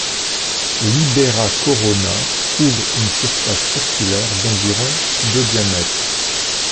Libera Corona couvre une surface circulaire d'environ de diamètre.